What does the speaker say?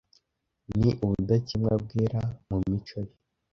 ni ubudakemwa bwera mu mico ye